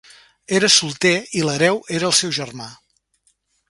Era solter i l'hereu era el seu germà.